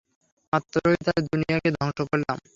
মাত্রই তার দুনিয়াকে ধ্বংস করলাম।